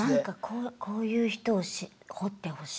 こういう人を掘ってほしい？